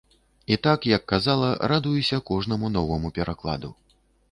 І так, як казала, радуюся кожнаму новаму перакладу.